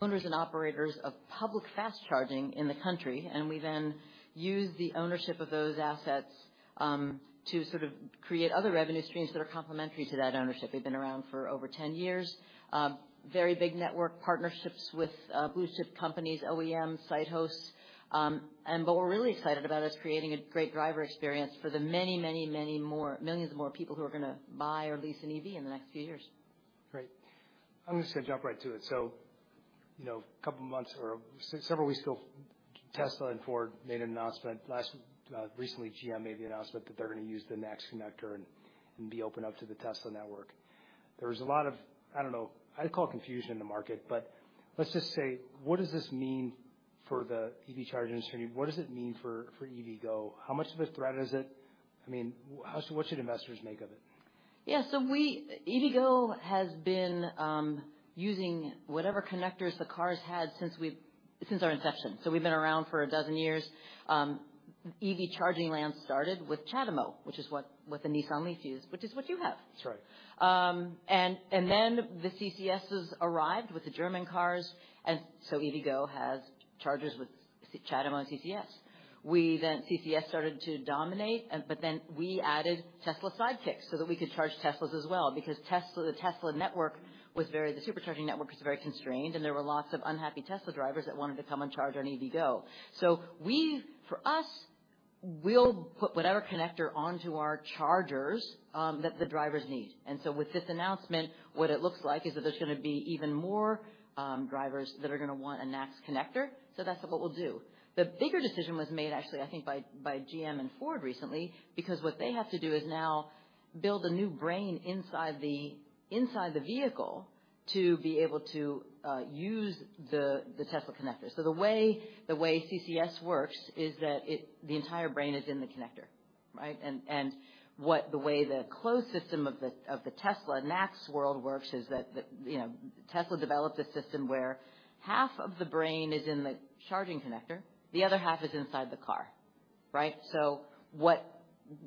— owners and operators of public fast charging in the country. We then use the ownership of those assets to sort of create other revenue streams that are complementary to that ownership. We've been around for over 10 years. Very big network partnerships with booster companies, OEMs, site hosts. We're really excited about us creating a great driver experience for the millions more people who's gonna buy or lease an EV in the next few years. Great. I'm just gonna jump right to it. You know, a couple months or several weeks ago, Tesla and Ford made an announcement. Last, recently, GM made the announcement that they're gonna use the NACS connector and be open up to the Tesla network. There was a lot of, I don't know, I'd call it confusion in the market, but let's just say, what does this mean for the EV charging industry? What does it mean for EVgo? How much of a threat is it? I mean, how, what should investors make of it? EVgo has been using whatever connectors the cars had since our inception, so we've been around for a dozen years. EV charging lands started with CHAdeMO, which is what the Nissan LEAF used, which is what you have. That's right. The CCSs arrived with the German cars. EVgo has chargers with CHAdeMO and CCS. CCS started to dominate. We added Tesla Sidekick so that we could charge Teslas as well, because the supercharging network was very constrained, and there were lots of unhappy Tesla drivers that wanted to come and charge on EVgo. For us, we'll put whatever connector onto our chargers that the drivers need. With this announcement, what it looks like is that there's gonna be even more drivers that are gonna want a NACS connector. That's what we'll do. The bigger decision was made, actually, I think by GM and Ford recently, because what they have to do is now build a new brain inside the, inside the vehicle to be able to use the Tesla connector. The way CCS works is that it, the entire brain is in the connector, right? The way the closed system of the Tesla NACS world works is that, you know, Tesla developed a system where half of the brain is in the charging connector, the other half is inside the car, right?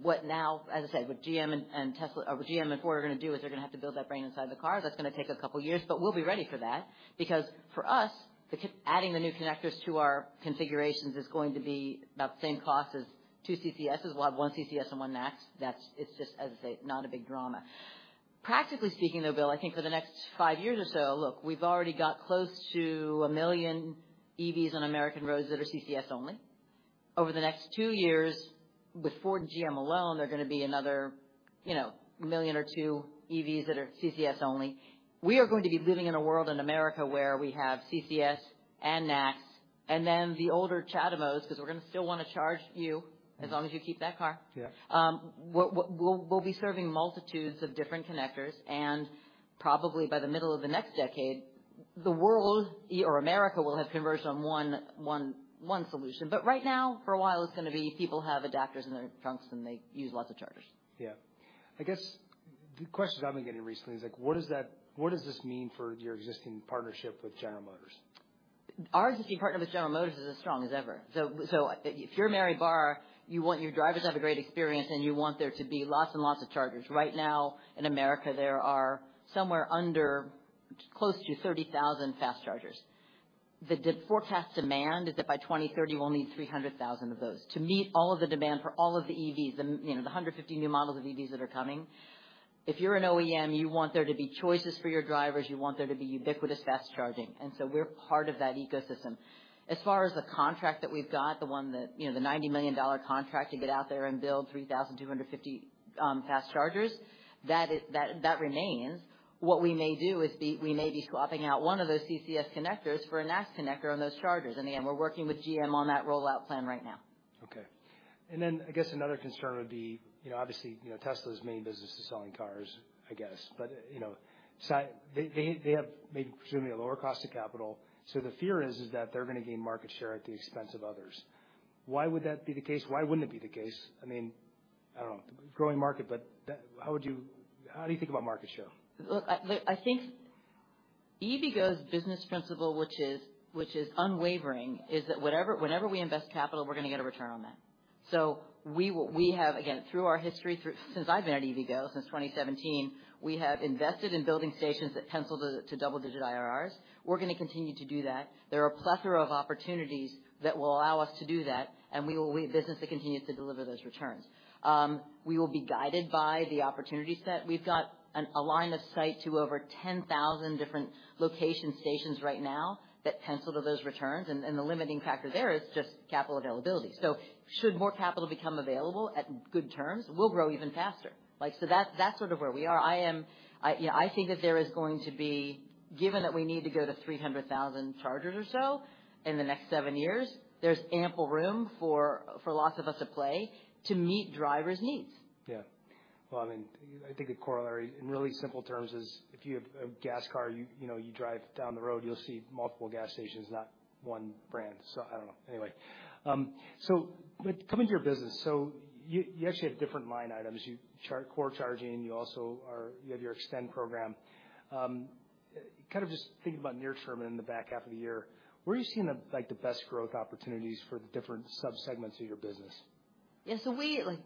What now, as I said, with GM and Tesla, or with GM and Ford are gonna do, is they're gonna have to build that brain inside the car. That's gonna take a couple years, but we'll be ready for that. For us, adding the new connectors to our configurations is going to be about the same cost as 2 CCSs, we'll have 1 CCS and 1 NACS. That's, it's just, as I say, not a big drama. Practically speaking, though, Bill, I think for the next 5 years or so, look, we've already got close to 1 million EVs on American roads that are CCS only. Over the next 2 years, with Ford and GM alone, there are gonna be another, you know, 1 million or 2 million EVs that are CCS only. We are going to be living in a world in America where we have CCS and NACS, and then the older CHAdeMOs, 'cause we're gonna still wanna charge you as long as you keep that car. Yeah. We'll be serving multitudes of different connectors. Probably by the middle of the next decade, the world, or America, will have converged on one solution. Right now, for a while, it's gonna be people have adapters in their trunks, and they use lots of chargers. Yeah. I guess the questions I've been getting recently is, like, what does this mean for your existing partnership with General Motors? Our existing partner with General Motors is as strong as ever. If you're Mary Barra, you want your drivers to have a great experience, and you want there to be lots and lots of chargers. Right now, in America, there are somewhere under, close to 30,000 fast chargers. The forecast demand is that by 2030, we'll need 300,000 of those to meet all of the demand for all of the EVs, the, you know, the 150 new models of EVs that are coming. If you're an OEM, you want there to be choices for your drivers. You want there to be ubiquitous fast charging, we're part of that ecosystem. As far as the contract that we've got, the one that, you know, the $90 million contract to get out there and build 3,250 fast chargers, that remains. What we may do is, we may be swapping out one of those CCS connectors for a NACS connector on those chargers. Again, we're working with GM on that rollout plan right now. Okay. I guess another concern would be, you know, obviously, you know, Tesla's main business is selling cars, I guess. You know, they have maybe presumably a lower cost of capital, so the fear is that they're gonna gain market share at the expense of others. Why would that be the case? Why wouldn't it be the case? I mean, I don't know, growing market, but that... How do you think about market share? I think EVgo's business principle, which is unwavering, is that whenever we invest capital, we're gonna get a return on that. We have, again, through our history, since I've been at EVgo, since 2017, we have invested in building stations that pencil to double-digit IRRs. We're gonna continue to do that. There are a plethora of opportunities that will allow us to do that, and we will be a business that continues to deliver those returns. We will be guided by the opportunity set. We've got a line of sight to over 10,000 different location stations right now that pencil to those returns, and the limiting factor there is just capital availability. Should more capital become available at good terms, we'll grow even faster. Like, so that's sort of where we are. I, you know, I think that there is going to be. Given that we need to go to 300,000 chargers or so in the next 7 years, there's ample room for lots of us to play to meet drivers' needs. Yeah. Well, I mean, I think the corollary in really simple terms is if you have a gas car, you know, you drive down the road, you'll see multiple gas stations, not one brand. I don't know. Anyway, coming to your business, you actually have different line items. You charge core charging, you also have your eXtend program. Kind of just thinking about near term and in the back half of the year, where are you seeing the, like, the best growth opportunities for the different sub-segments of your business? Yeah, so we, like,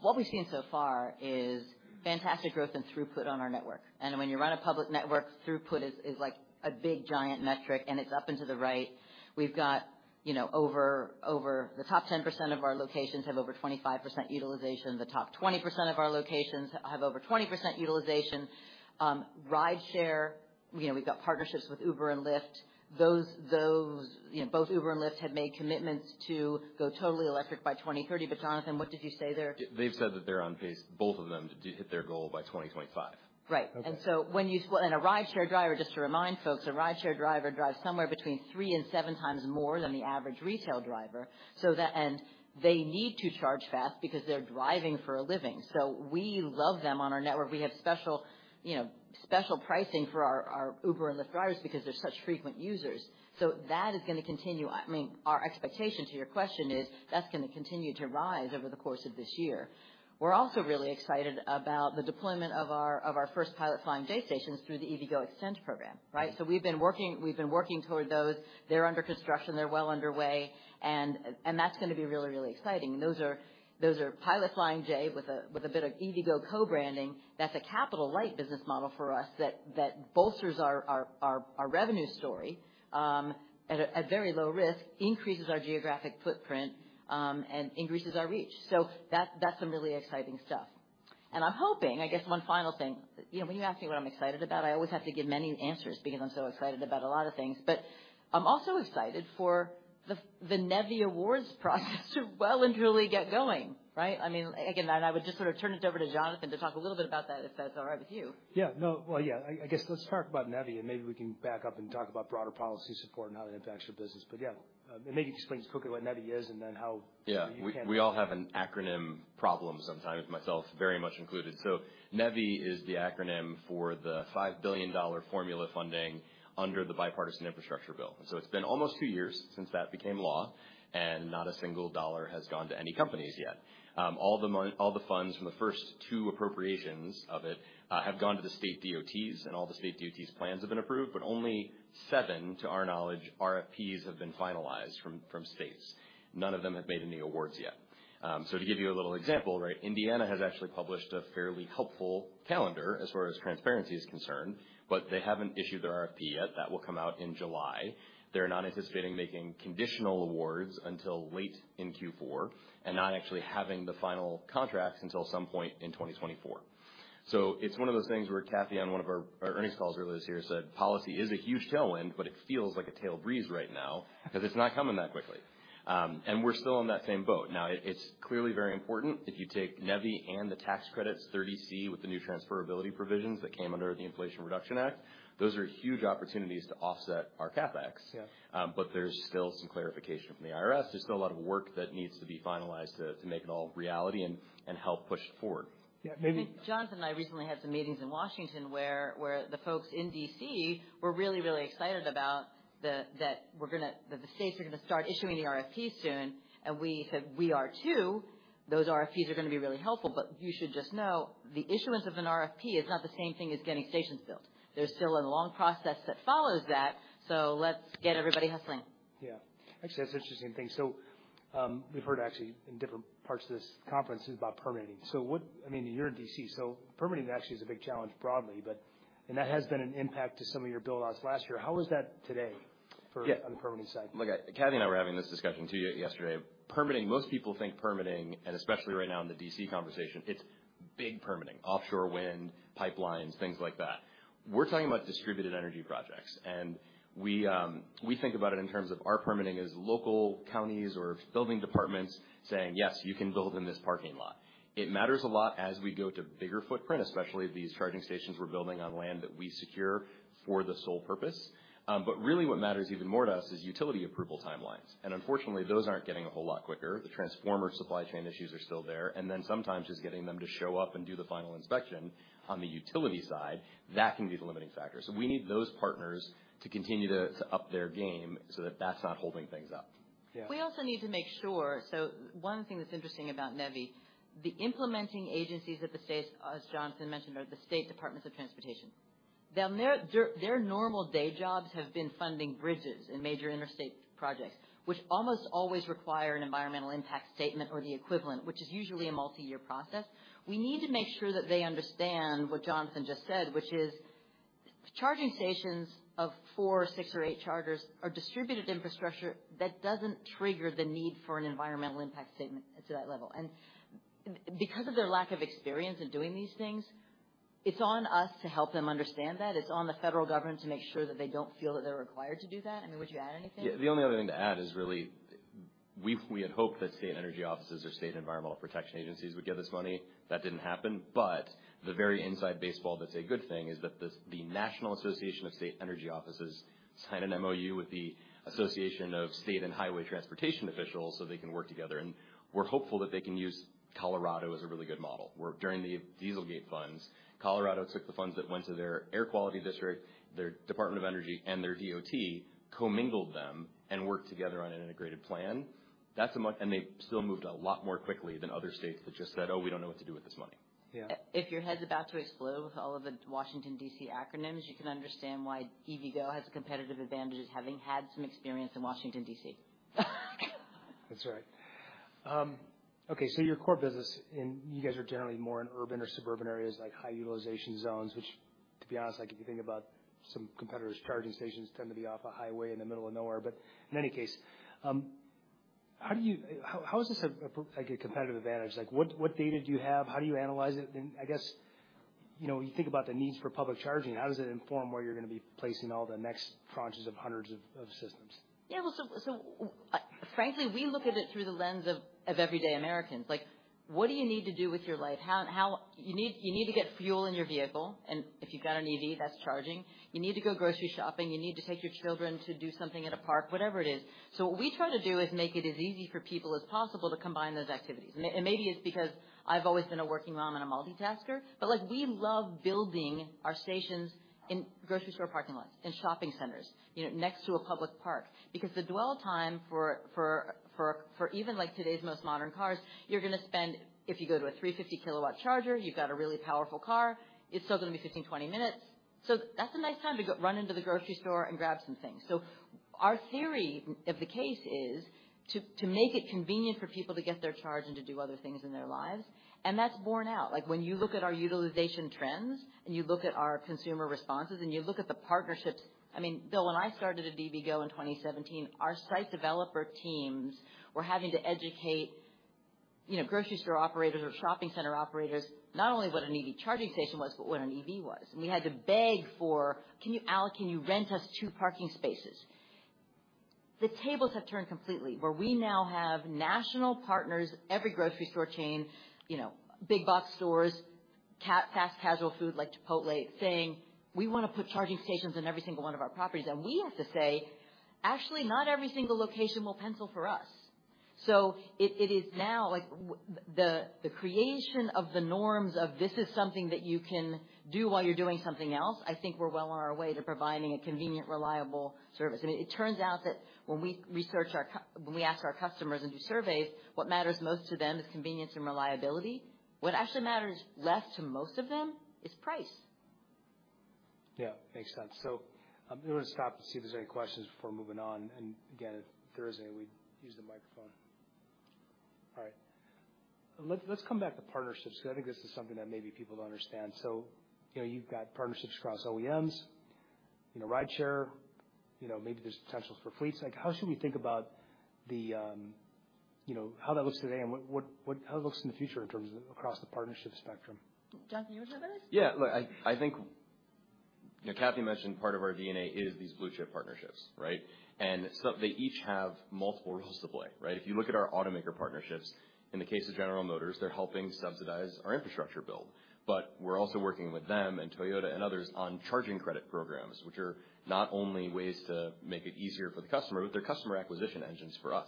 what we've seen so far is fantastic growth and throughput on our network. When you run a public network, throughput is like a big, giant metric, and it's up and to the right. We've got, you know, over. The top 10% of our locations have over 25% utilization. The top 20% of our locations have over 20% utilization. rideshare, you know, we've got partnerships with Uber and Lyft. You know, both Uber and Lyft have made commitments to go totally electric by 2030. Jonathan, what did you say there? They've said that they're on pace, both of them, to hit their goal by 2025. Right. Okay. When you... A rideshare driver, just to remind folks, a rideshare driver drives somewhere between 3 and 7 times more than the average retail driver. They need to charge fast because they're driving for a living. We love them on our network. We have special, you know, special pricing for our Uber and Lyft drivers because they're such frequent users. That is gonna continue. I mean, our expectation, to your question, is that's gonna continue to rise over the course of this year. We're also really excited about the deployment of our first Pilot Flying J stations through the EVgo eXtend program, right? We've been working toward those. They're under construction. They're well underway, and that's gonna be really exciting. Those are Pilot Flying J with a bit of EVgo co-branding. That's a capital light business model for us that bolsters our revenue story at a very low risk, increases our geographic footprint and increases our reach. That's some really exciting stuff. I'm hoping. I guess one final thing, you know, when you ask me what I'm excited about, I always have to give many answers because I'm so excited about a lot of things. I'm also excited for the NEVI awards process to well and truly get going, right? I mean, again, I would just sort of turn it over to Jonathan to talk a little bit about that, if that's all right with you. Yeah. No. Well, yeah. I guess let's talk about NEVI, maybe we can back up and talk about broader policy support and how that impacts your business. Yeah, maybe just explain quickly what NEVI is. Yeah. We all have an acronym problem sometimes, myself very much included. NEVI is the acronym for the $5 billion formula funding under the Bipartisan Infrastructure Law. It's been almost 2 years since that became law, and not a single dollar has gone to any companies yet. All the funds from the first 2 appropriations of it have gone to the state DOTs, and all the state DOTs plans have been approved, but only 7, to our knowledge, RFPs have been finalized from states. None of them have made any awards yet. To give you a little example, right? Indiana has actually published a fairly helpful calendar as far as transparency is concerned, but they haven't issued their RFP yet. That will come out in July. They're not anticipating making conditional awards until late in Q4, and not actually having the final contracts until some point in 2024. It's one of those things where Kathy, on one of our earnings calls earlier this year, said: Policy is a huge tailwind, but it feels like a tail breeze right now. Because it's not coming that quickly. We're still on that same boat. It's clearly very important. If you take NEVI and the tax credits, 30C, with the new transferability provisions that came under the Inflation Reduction Act, those are huge opportunities to offset our CapEx. Yeah. There's still some clarification from the IRS. There's still a lot of work that needs to be finalized to make it all reality and help push it forward. Yeah. Jonathan and I recently had some meetings in Washington, where the folks in D.C. were really excited that the states are gonna start issuing the RFPs soon. We said, "We are, too. Those RFPs are gonna be really helpful, but you should just know, the issuance of an RFP is not the same thing as getting stations built. There's still a long process that follows that, so let's get everybody hustling. Yeah. Actually, that's an interesting thing. We've heard actually in different parts of this conference is about permitting. I mean, you're in D.C., permitting actually is a big challenge broadly, but that has been an impact to some of your build-outs last year. How is that today for- Yeah. -on the permitting side? Look, Kathy and I were having this discussion, too, yesterday. Permitting, most people think permitting. Especially right now in the D.C. conversation, it's big permitting, offshore wind, pipelines, things like that. We're talking about distributed energy projects. We think about it in terms of our permitting as local counties or building departments saying, "Yes, you can build in this parking lot." It matters a lot as we go to bigger footprint, especially these charging stations we're building on land that we secure for the sole purpose. Really, what matters even more to us is utility approval timelines. Unfortunately, those aren't getting a whole lot quicker. The transformer supply chain issues are still there. Then sometimes just getting them to show up and do the final inspection on the utility side, that can be the limiting factor. We need those partners to continue to up their game so that that's not holding things up. Yeah. We also need to make sure. One thing that's interesting about NEVI, the implementing agencies at the state, as Jonathan mentioned, are the State Departments of Transportation. Now, their normal day jobs have been funding bridges and major interstate projects, which almost always require an environmental impact statement or the equivalent, which is usually a multi-year process. We need to make sure that they understand what Jonathan just said, which is charging stations of four, six, or eight chargers are distributed infrastructure that doesn't trigger the need for an environmental impact statement to that level. Because of their lack of experience in doing these things, it's on us to help them understand that. It's on the federal government to make sure that they don't feel that they're required to do that. I mean, would you add anything? Yeah. The only other thing to add is really we had hoped that state energy offices or state environmental protection agencies would get this money. That didn't happen. The very inside baseball that's a good thing is that the National Association of State Energy Officials signed an MOU with the Association of State and Highway Transportation Officials so they can work together, and we're hopeful that they can use Colorado as a really good model, where during the Dieselgate funds, Colorado took the funds that went to their air quality district, their Department of Energy, and their DOT, commingled them, and worked together on an integrated plan. They still moved a lot more quickly than other states that just said: "Oh, we don't know what to do with this money. Yeah. If your head's about to explode with all of the Washington, D.C. acronyms, you can understand why EVgo has a competitive advantage as having had some experience in Washington, D.C. That's right. Okay, your core business, and you guys are generally more in urban or suburban areas, like high utilization zones, which to be honest, like, if you think about some competitors' charging stations tend to be off a highway in the middle of nowhere. In any case, how is this a, like, a competitive advantage? Like, what data do you have? How do you analyze it? I guess, you know, you think about the needs for public charging, how does it inform where you're gonna be placing all the next tranches of hundreds of systems? Yeah, well, so, frankly, we look at it through the lens of everyday Americans. Like, what do you need to do with your life? How... You need to get fuel in your vehicle, and if you've got an EV, that's charging. You need to go grocery shopping. You need to take your children to do something at a park, whatever it is. What we try to do is make it as easy for people as possible to combine those activities. Maybe it's because I've always been a working mom and a multitasker, but, like, we love building our stations in grocery store parking lots and shopping centers, you know, next to a public park, because the dwell time for even, like, today's most modern cars, you're gonna spend... If you go to a 350 kilowatt charger, you've got a really powerful car, it's still gonna be 15, 20 minutes. That's a nice time to go run into the grocery store and grab some things. Our theory of the case is to make it convenient for people to get their charge and to do other things in their lives, and that's borne out. Like, when you look at our utilization trends, and you look at our consumer responses, and you look at the partnerships. I mean, Bill, when I started at EVgo in 2017, our site developer teams were having to educate, you know, grocery store operators or shopping center operators, not only what an EV charging station was, but what an EV was. You had to beg for: "Can you Al, can you rent us two parking spaces?" The tables have turned completely, where we now have national partners, every grocery store chain, you know, big box stores, fast casual food, like Chipotle, saying, "We wanna put charging stations in every single one of our properties." We have to say: Actually, not every single location will pencil for us. It is now, like, the creation of the norms of this is something that you can do while you're doing something else, I think we're well on our way to providing a convenient, reliable service. It turns out that when we research our when we ask our customers and do surveys, what matters most to them is convenience and reliability. What actually matters less to most of them is price. Yeah, makes sense. I'm going to stop to see if there's any questions before moving on, and again, if there is any, we'd use the microphone. All right. Let's come back to partnerships, because I think this is something that maybe people don't understand. You know, you've got partnerships across OEMs, you know, rideshare, you know, maybe there's potential for fleets. Like, how should we think about the, you know, how that looks today and what, how it looks in the future in terms of across the partnership spectrum? Jack, you wanna go first? Yeah. Look, I think, you know, Cathy mentioned part of our DNA is these blue chip partnerships, right? They each have multiple roles to play, right? If you look at our automaker partnerships, in the case of General Motors, they're helping subsidize our infrastructure build. We're also working with them and Toyota and others on charging credit programs, which are not only ways to make it easier for the customer, but they're customer acquisition engines for us.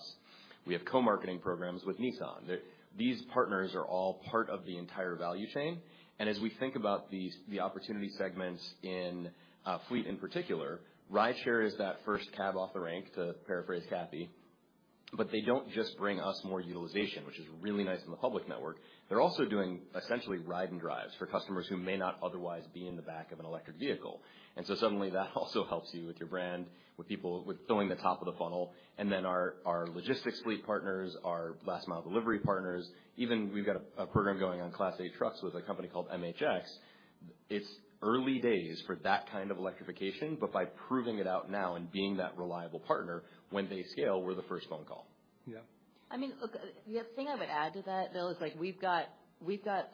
We have co-marketing programs with Nissan. These partners are all part of the entire value chain, and as we think about these, the opportunity segments in fleet in particular, rideshare is that first cab off the rank, to paraphrase Cathy. They don't just bring us more utilization, which is really nice in the public network, they're also doing essentially ride and drives for customers who may not otherwise be in the back of an electric vehicle. Suddenly, that also helps you with your brand, with people, with filling the top of the funnel. Our logistics fleet partners, our last mile delivery partners, even we've got a program going on Class 8 trucks with a company called MHX. It's early days for that kind of electrification, but by proving it out now and being that reliable partner, when they scale, we're the first phone call. Yeah. I mean, look, the thing I would add to that, Bill, is, like, we've got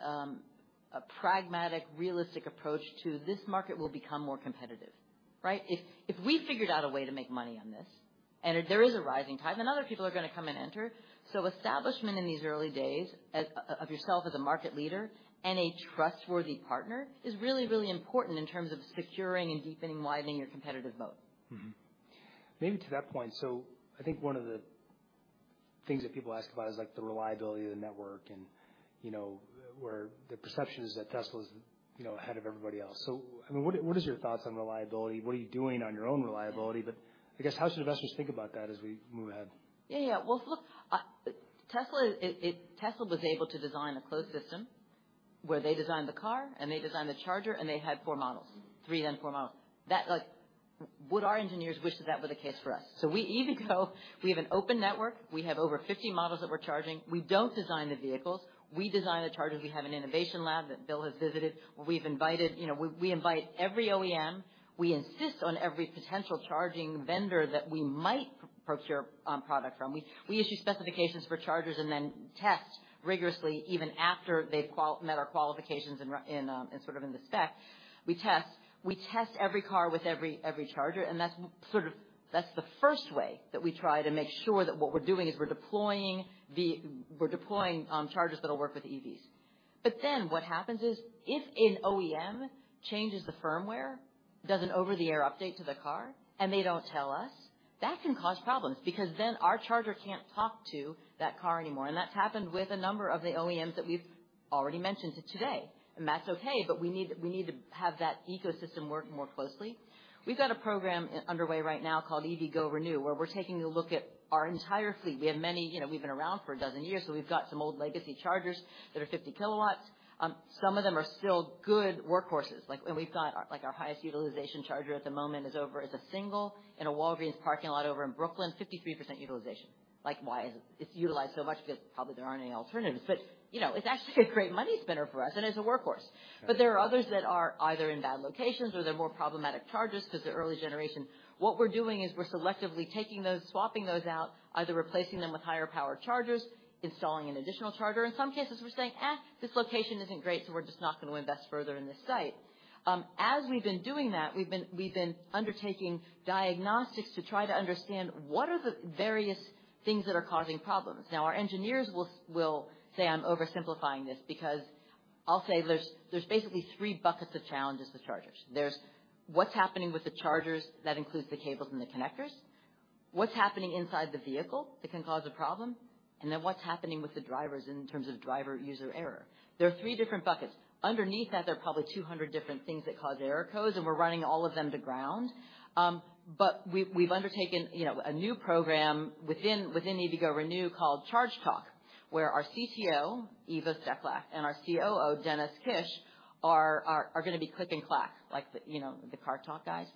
a pragmatic, realistic approach to this market will become more competitive, right? If we figured out a way to make money on this, and if there is a rising tide, then other people are gonna come and enter. Establishment in these early days, as of yourself as a market leader and a trustworthy partner is really, really important in terms of securing and deepening, widening your competitive moat. Mm-hmm. Maybe to that point, I think one of the things that people ask about is, like, the reliability of the network and, you know, where the perception is that Tesla is, you know, ahead of everybody else. I mean, what is your thoughts on reliability? What are you doing on your own reliability? I guess, how should investors think about that as we move ahead? Yeah. Well, look, Tesla was able to design a closed system, where they designed the car, and they designed the charger, and they had 4 models. 3, 4 models. That, like, would our engineers wish that that were the case for us? We, EVgo, we have an open network. We have over 50 models that we're charging. We don't design the vehicles. We design the chargers. We have an innovation lab that Bill has visited, where we've invited. You know, we invite every OEM. We insist on every potential charging vendor that we might procure product from. We, we issue specifications for chargers and then test rigorously, even after they've met our qualifications in in sort of in the spec. We test. We test every car with every charger, and that's sort of the first way that we try to make sure that what we're doing is we're deploying chargers that'll work with EVs. What happens is, if an OEM changes the firmware, does an over-the-air update to the car, and they don't tell us. That can cause problems, because then our charger can't talk to that car anymore. That's happened with a number of the OEMs that we've already mentioned today. That's okay, but we need to have that ecosystem work more closely. We've got a program underway right now called EVgo ReNew, where we're taking a look at our entire fleet. You know, we've been around for 12 years, we've got some old legacy chargers that are 50 kW. Some of them are still good workhorses. We've got our highest utilization charger at the moment is over... It's a single in a Walgreens parking lot over in Brooklyn, 53% utilization. Why is it utilized so much? Because probably there aren't any alternatives. You know, it's actually a great money spinner for us, and it's a workhorse. There are others that are either in bad locations or they're more problematic chargers because they're early generation. What we're doing is we're selectively taking those, swapping those out, either replacing them with higher power chargers, installing an additional charger. In some cases, we're saying, "Eh, this location isn't great, so we're just not going to invest further in this site." As we've been doing that, we've been undertaking diagnostics to try to understand what are the various things that are causing problems. Our engineers will say I'm oversimplifying this because I'll say there's basically three buckets of challenges to chargers. There's what's happening with the chargers that includes the cables and the connectors, what's happening inside the vehicle that can cause a problem, and then what's happening with the drivers in terms of driver user error. There are three different buckets. Underneath that, there are probably 200 different things that cause error codes, we're running all of them to ground. We've undertaken, you know, a new program within EVgo ReNew called Charge Talk, where our CTO, Eva Steflak, and our COO, Dennis Kish, are gonna be Click and Clack, like the, you know, the Car Talk guys.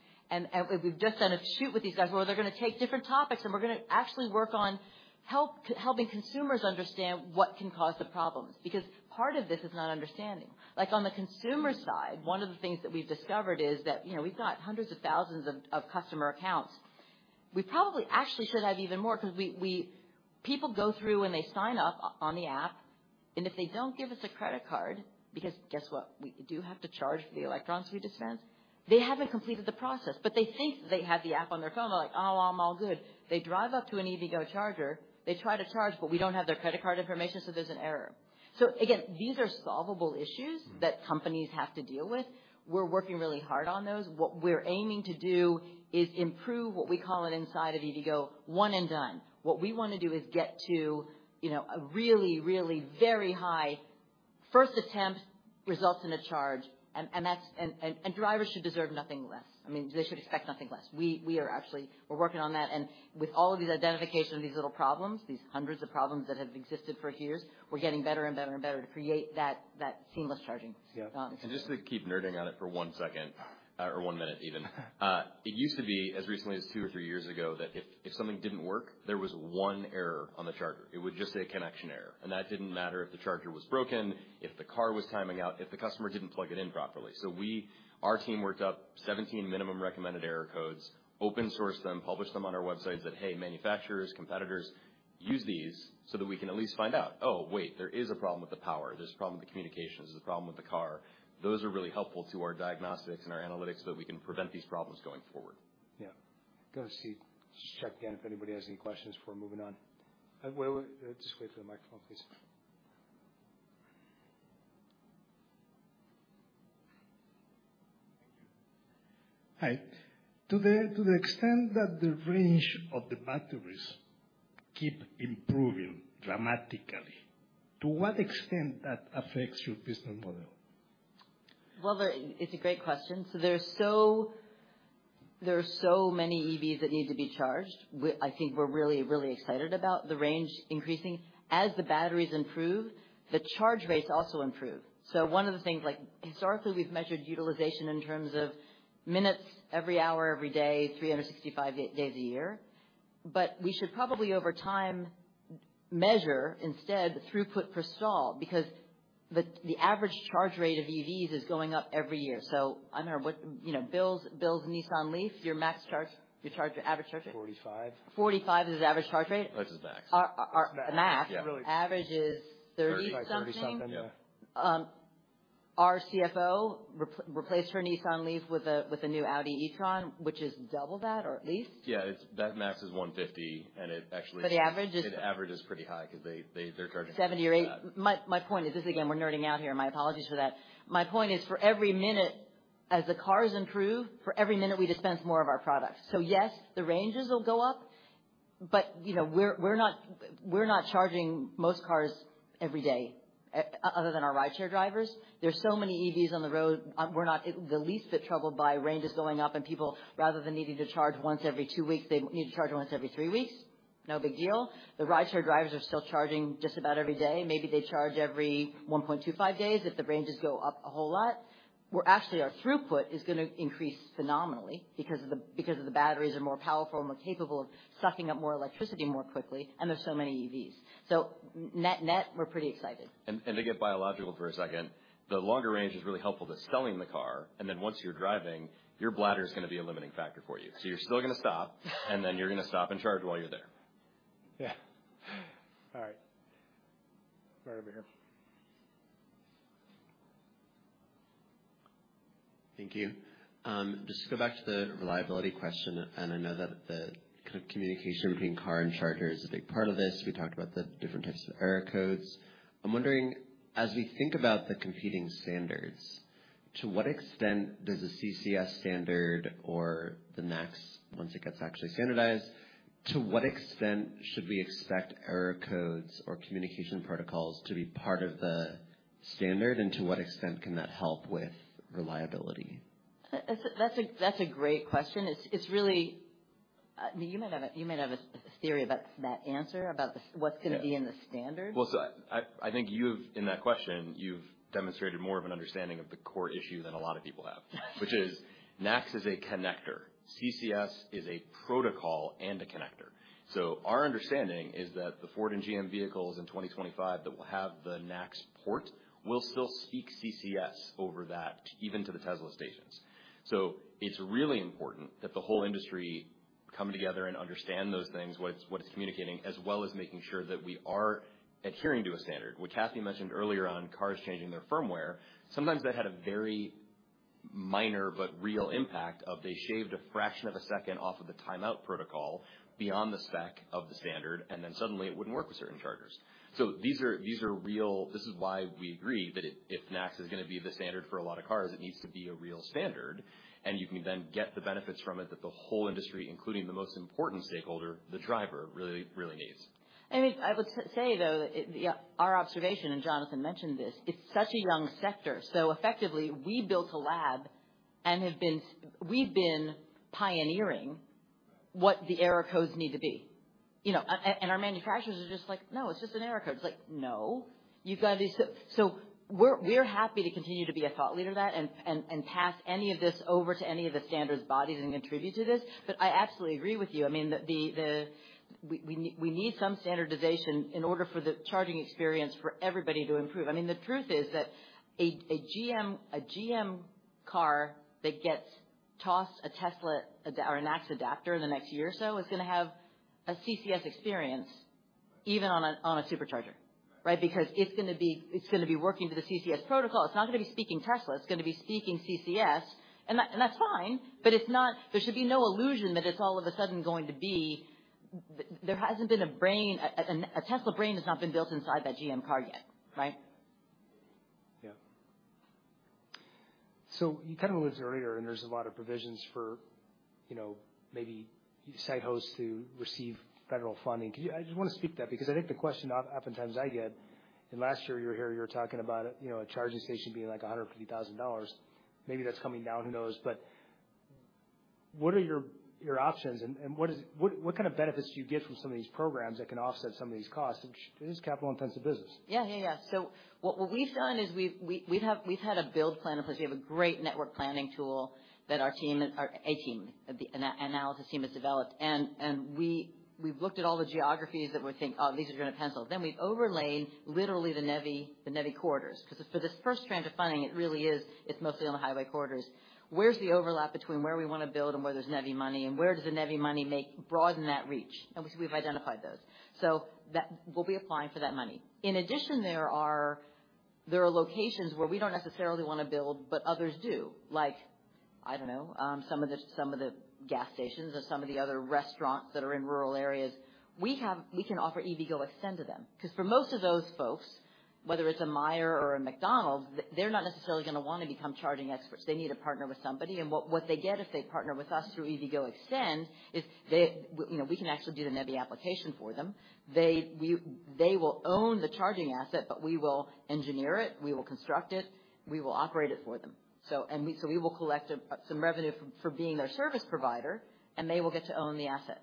We've just done a shoot with these guys where they're gonna take different topics, and we're gonna actually work on helping consumers understand what can cause the problems, because part of this is not understanding. Like, on the consumer side, one of the things that we've discovered is that, you know, we've got hundreds of thousands of customer accounts. We probably actually should have even more because we People go through when they sign up on the app, and if they don't give us a credit card, because guess what? We do have to charge for the electrons we dispense. They haven't completed the process, but they think they have the app on their phone. They're like: "Oh, I'm all good." They drive up to an EVgo charger, they try to charge, but we don't have their credit card information, so there's an error. Again, these are solvable issues that companies have to deal with. We're working really hard on those. What we're aiming to do is improve what we call it inside of EVgo, One & Done. What we want to do is get to, you know, a really, really very high first attempt results in a charge. Drivers should deserve nothing less. I mean, they should expect nothing less. We're working on that, and with all of these identification of these little problems, these hundreds of problems that have existed for years, we're getting better and better and better to create that seamless charging. Yeah. Just to keep nerding on it for 1 second, or 1 minute even. It used to be, as recently as 2 or 3 years ago, that if something didn't work, there was 1 error on the charger. It would just say connection error, and that didn't matter if the charger was broken, if the car was timing out, if the customer didn't plug it in properly. Our team worked up 17 minimum recommended error codes, open sourced them, published them on our website, said: "Hey, manufacturers, competitors, use these so that we can at least find out, Oh, wait, there is a problem with the power. There's a problem with the communication. There's a problem with the car." Those are really helpful to our diagnostics and our analytics, so that we can prevent these problems going forward. Go see. Just check again if anybody has any questions before moving on. Wait. Just wait for the microphone, please. Hi. To the extent that the range of the batteries keep improving dramatically, to what extent that affects your business model? It's a great question. There are so many EVs that need to be charged, I think we're really, really excited about the range increasing. As the batteries improve, the charge rates also improve. One of the things, like, historically, we've measured utilization in terms of minutes every hour, every day, 365 days a year, we should probably, over time, measure instead, the throughput per stall, because the average charge rate of EVs is going up every year. I don't know what, you know, Bill's Nissan LEAF, your max charge, you charge your average charge rate? 45. 45 is average charge rate? What's his max? Our max- Yeah. - thirty something, yeah. Our CFO replaced her Nissan LEAF with a, with a new Audi e-tron, which is double that, or at least? Yeah, that max is 150, and it actually. The average — The average is pretty high because they're. 7 or 8. My point is this, again, we're nerding out here. My apologies for that. My point is, for every minute, as the cars improve, for every minute, we dispense more of our products. Yes, the ranges will go up, but, you know, we're not charging most cars every day, other than our rideshare drivers. There's so many EVs on the road, we're not the least bit troubled by ranges going up and people, rather than needing to charge once every 2 weeks, they need to charge once every 3 weeks. No big deal. The rideshare drivers are still charging just about every day. Maybe they charge every 1.25 days if the ranges go up a whole lot. Actually, our throughput is going to increase phenomenally because the batteries are more powerful and more capable of sucking up more electricity more quickly, and there is so many EVs. Net-net, we are pretty excited. To get biological for a second, the longer range is really helpful to selling the car, and then once you're driving, your bladder is gonna be a limiting factor for you. You're still gonna stop, and then you're gonna stop and charge while you're there. Yeah. All right. Right over here. Thank you. Just to go back to the reliability question, and I know that the kind of communication between car and charger is a big part of this. We talked about the different types of error codes. I'm wondering, as we think about the competing standards, to what extent does a CCS standard or the NACS, once it gets actually standardized, to what extent should we expect error codes or communication protocols to be part of the standard? To what extent can that help with reliability? That's a great question. It's really... You might have a theory about that answer. Yeah. What's gonna be in the standard? I think in that question, you've demonstrated more of an understanding of the core issue than a lot of people have. NACS is a connector. CCS is a protocol and a connector. Our understanding is that the Ford and GM vehicles in 2025 that will have the NACS port will still speak CCS over that, even to the Tesla stations. It's really important that the whole industry come together and understand those things, what it's communicating, as well as making sure that we are adhering to a standard. What Cathy mentioned earlier on cars changing their firmware, sometimes that had a very minor but real impact of they shaved a fraction of a second off of the timeout protocol beyond the spec of the standard, and then suddenly it wouldn't work with certain chargers. This is why we agree that if NACS is gonna be the standard for a lot of cars, it needs to be a real standard, and you can then get the benefits from it that the whole industry, including the most important stakeholder, the driver, really, really needs. I would say, though, it, yeah, our observation, Jonathan mentioned this, it's such a young sector. Effectively, we built a lab and have been we've been pioneering what the error codes need to be. You know, and our manufacturers are just like, "No, it's just an error code." It's like: No, you've got to do... We're happy to continue to be a thought leader to that and pass any of this over to any of the standards bodies and contribute to this. I absolutely agree with you. I mean, the... We need some standardization in order for the charging experience for everybody to improve. I mean, the truth is that a GM car that gets tossed a Tesla or a NACS adapter in the next year or so is gonna have a CCS experience even on a Supercharger, right? Because it's gonna be working to the CCS protocol. It's not gonna be speaking Tesla. It's gonna be speaking CCS, and that, and that's fine, but it's not. There should be no illusion that it's all of a sudden going to be... There hasn't been a brain, a Tesla brain has not been built inside that GM car yet, right? Yeah. You kind of alluded to it earlier, and there's a lot of provisions for, you know, maybe site hosts to receive federal funding. I just want to speak to that, because I think the question oftentimes I get, and last year you were here, you were talking about, you know, a charging station being like $150,000. Maybe that's coming down, who knows? What are your options, and what kind of benefits do you get from some of these programs that can offset some of these costs? It is a capital-intensive business. Yeah, yeah. What we've done is we've had a build plan in place. We have a great network planning tool that our analysis team has developed. We've looked at all the geographies that we think, "Oh, these are gonna pencil." We've overlaid literally the NEVI corridors. For this first strand of funding, it really is, it's mostly on the highway corridors. Where's the overlap between where we wanna build and where there's NEVI money, and where does the NEVI money broaden that reach? We've identified those. We'll be applying for that money. In addition, there are locations where we don't necessarily wanna build, but others do. Like, I don't know, some of the, some of the gas stations or some of the other restaurants that are in rural areas. We can offer EVgo eXtend to them. Because for most of those folks, whether it's a Meijer or a McDonald's, they're not necessarily gonna wanna become charging experts. They need to partner with somebody, and what they get if they partner with us through EVgo eXtend, is they you know, we can actually do the NEVI application for them. They will own the charging asset, but we will engineer it, we will construct it, we will operate it for them. We will collect some revenue from, for being their service provider, and they will get to own the asset.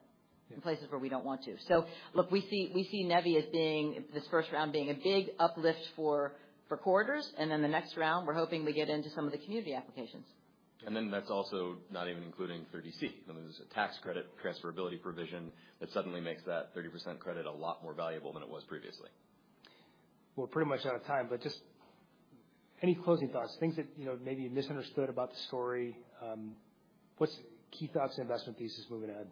Yeah Look, we see NEVI as being, this first round being a big uplift for corridors, and then the next round, we're hoping to get into some of the community applications. That's also not even including 30C. I mean, there's a tax credit transferability provision that suddenly makes that 30% credit a lot more valuable than it was previously. We're pretty much out of time, but just any closing thoughts, things that, you know, maybe you misunderstood about the story? What's key thoughts on investment pieces moving ahead?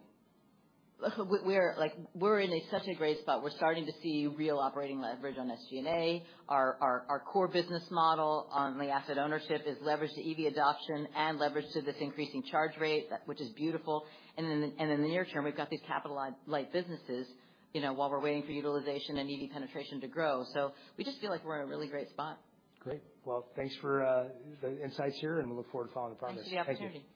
Look, we're, like, we're in a such a great spot. We're starting to see real operating leverage on SG&A. Our core business model on the asset ownership is leverage to EV adoption and leverage to this increasing charge rate, which is beautiful. In the near term, we've got these capitalized light businesses, you know, while we're waiting for utilization and EV penetration to grow. We just feel like we're in a really great spot. Great. Well, thanks for the insights here. We look forward to following the progress. Thanks for the opportunity. Thank you. Yep.